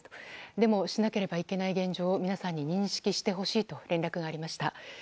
でもしなければいけない現状を皆さんに認識してほしいと連絡がありました。